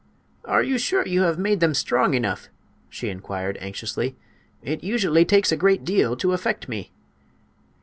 "Are you sure you have made them strong enough?" she inquired, anxiously; "it usually takes a great deal to affect me."